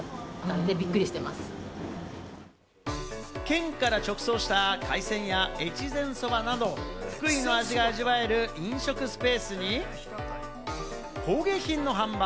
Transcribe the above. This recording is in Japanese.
県から直送した海鮮や越前そばなど、福井の味が味わえる飲食スペースに工芸品の販売。